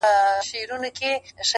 بختور یې چي مي ستونی لا خوږیږي.!